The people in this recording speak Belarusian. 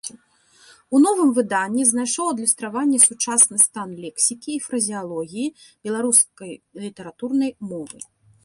У новым выданні знайшоў адлюстраванне сучасны стан лексікі і фразеалогіі беларускай літаратурнай мовы.